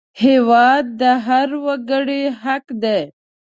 هېواد د هر وګړي حق دی